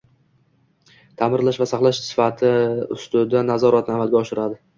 ta’mirlash va saqlash sifati ustidan nazoratni amalga oshiradi